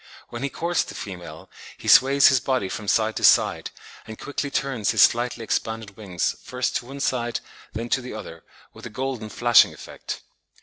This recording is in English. When he courts the female, he sways his body from side to side, and quickly turns his slightly expanded wings first to one side, then to the other, with a golden flashing effect.